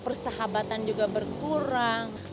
persahabatan juga berkurang